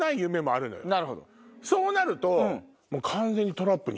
そうなると。